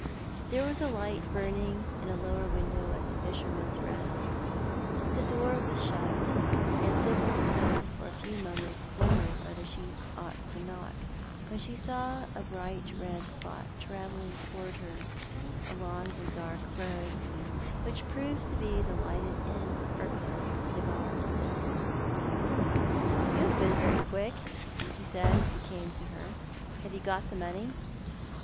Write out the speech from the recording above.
There was a light burning in a lower window at the Fisher man's Eest, but the door was shut, and Sibyl stood for a few moments wondering whether she ought to knock, when she saw a bright red spot travelling towards her along the dark road, which proved to be the lighted end of Urquhart's cigar. "You have been very quick," ho said as he came to her. " Have you got the money